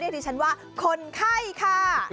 ดิฉันว่าคนไข้ค่ะ